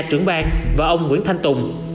trưởng bang và ông nguyễn thanh tùng